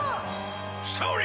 それ！